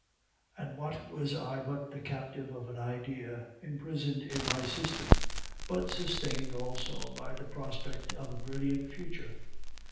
And what was I but the captive of an idea, imprisoned in my system, but sustained also by the prospect of a brilliant future?